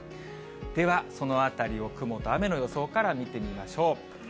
ではそのあたりを雲と雨の予想から見てみましょう。